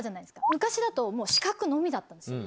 昔だともう四角のみだったんですよ。